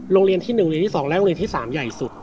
โรงเรียนที่๑เรียนที่๒และโรงเรียนที่๓ใหญ่สุด